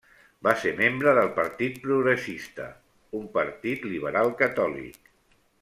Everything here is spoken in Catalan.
Va ser membre del Partit Progressista, un partit liberal catòlic.